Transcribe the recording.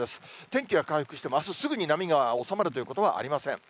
天気は回復してもあすすぐに波が収まるということはありません。